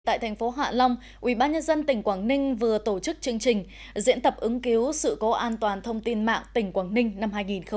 tại thành phố hạ long ubnd tỉnh quảng ninh vừa tổ chức chương trình diễn tập ứng cứu sự cố an toàn thông tin mạng tỉnh quảng ninh năm hai nghìn một mươi chín